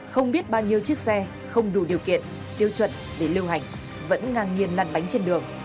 không biết bao nhiêu chiếc xe không đủ điều kiện tiêu chuẩn để lưu hành vẫn ngang nhiên lăn bánh trên đường